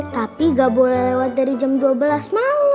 tapi gak boleh lewat dari jam dua belas mau